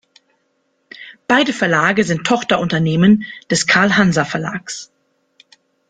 Beide Verlage sind Tochterunternehmen des Carl Hanser Verlags.